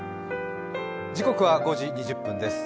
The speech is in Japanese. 時刻は５時２０分です。